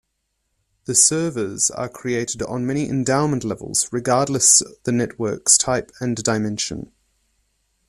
The servers are created on many endowment levels regardless the networks type and dimension.